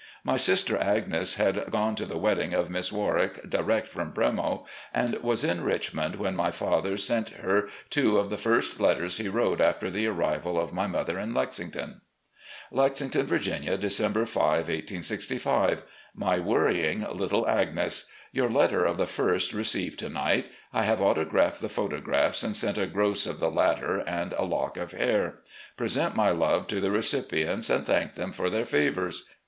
My sister Agnes had gone to the wedding of Miss Warwick direct from "Bremo," and was in Richmond when my father sent her two of the first letters he wrote after the arrival of my mother in Lexington: "Lexington, Virginia, December 5, 1865. "My Worrying Little Agnes: Yotu letter of the ist received to night. I have autographed the photographs and send a gross of the latter and a lock of hair. Present my love to the recipients and thank them for their favours.